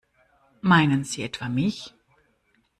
Meinen Sie etwa mich?